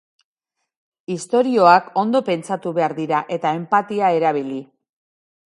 Istorioak ondo pentsatu behar dira, eta enpatia erabili.